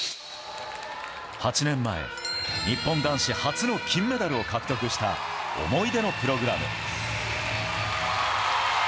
８年前日本男子初の金メダルを獲得した思い出のプログラム。